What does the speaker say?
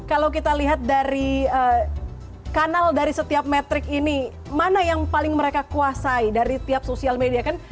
kalau kita lihat dari kanal dari setiap metrik ini mana yang paling mereka kuasai dari tiap sosial media kan